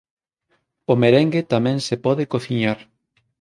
O merengue tamén se pode cociñar.